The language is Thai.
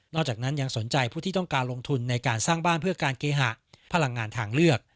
อกจากนั้นยังสนใจผู้ที่ต้องการลงทุนในการสร้างบ้านเพื่อการเกหะพลังงานทางเลือก